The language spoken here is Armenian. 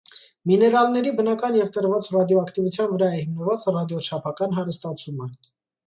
Միներալների բնական և տրված ռադիոակտիվության վրա է հիմնված ռադիոչափական հարստացումը։